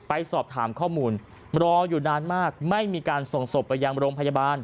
ไปสอบถามข้อมูลรออยู่นานมากไม่มีการส่งศพไปยังโรงพยาบาล